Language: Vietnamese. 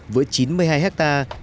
với chín mươi hai hectare